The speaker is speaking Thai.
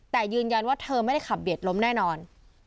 แต่ยืนยันว่าเธอไม่ได้ขับเบียดล้มแน่นอน